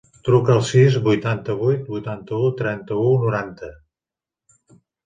Truca al sis, vuitanta-vuit, vuitanta-u, trenta-u, noranta.